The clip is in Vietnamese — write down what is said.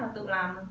và tự làm